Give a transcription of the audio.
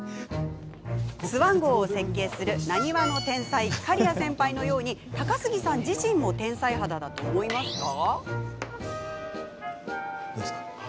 スワン号を設計するなにわの天才、刈谷先輩のように高杉さん自身も天才肌だと思いますか？